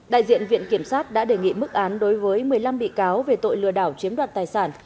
đại diện viện kiểm sát đã đề nghị mức án đối với một mươi năm bị cáo về tội lừa đảo chiếm đoạt tài sản